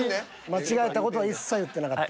間違えた事は一切言ってなかった。